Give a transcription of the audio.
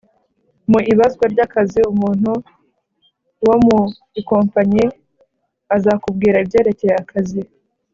Mu ibazwa ry akazi umuntu wo mu ikompanyi azakubwira ibyerekeye akazi